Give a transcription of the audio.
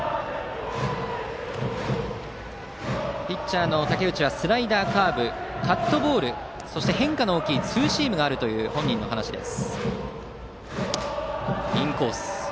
ピッチャーの武内はスライダー、カーブカットボール、そして変化の大きいツーシームがあるという本人の話です。